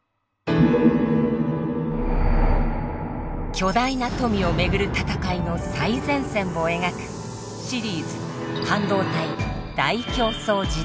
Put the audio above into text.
巨大な富を巡る闘いの最前線を描くシリーズ「半導体大競争時代」。